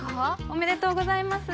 おめでとうございます。